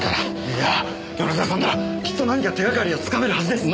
いや米沢さんならきっと何か手がかりを掴めるはずです！